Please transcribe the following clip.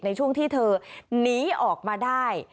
ในช่วงที่เธอหนีออกมาได้